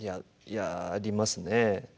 いややりますね。